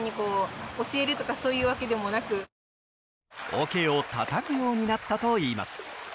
おけをたたくようになったといいます。